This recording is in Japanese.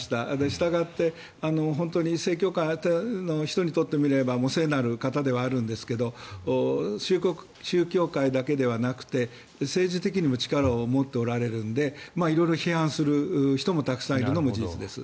したがって正教会に入った人にとってみればもう聖なる方ではあるんですが宗教界だけではなくて政治的にも力を持っておられるので色々、批判する人もたくさんいるのも事実です。